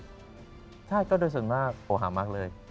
ใช่ก็โดยส่วนมากโทรหามากเลย